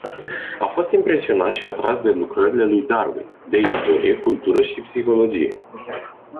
A fost impresionat și atras de lucrările lui Darwin, de istorie, cultură și psihologie.